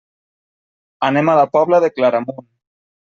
Anem a la Pobla de Claramunt.